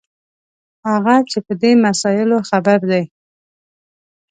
هغه چې په دې مسایلو خبر دي.